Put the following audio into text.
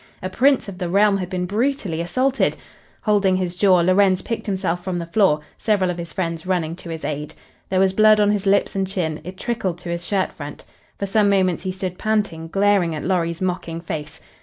A Prince of the realm had been brutally assaulted! Holding his jaw, Lorenz picked himself from the floor, several of his friends running to his aid. There was blood on his lips and chin; it trickled to his shirt front. For some moments he stood panting, glaring at Lorry's mocking face.